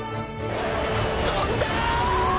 飛んだ！